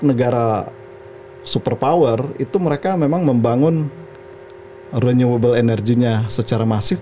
negara super power itu mereka memang membangun renewable energy nya secara masif